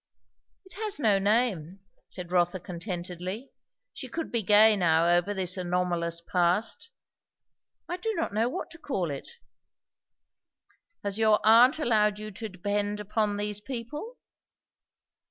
"It has no name," said Rotha contentedly. She could be gay now over this anomalous past. "I do not know what to call it." "Has your aunt allowed you to depend upon these people?"